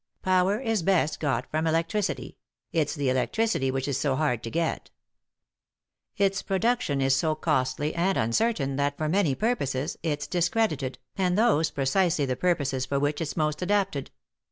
Power is best got from electricity ; it's the electricity which is so hard to get Its production is so costly and uncertain that, for many purposes, it's discredited, and those precisely the purposes for which it's most adapted.